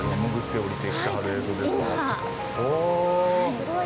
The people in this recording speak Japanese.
すごい！